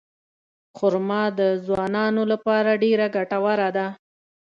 خرما د ځوانانو لپاره ډېره ګټوره ده.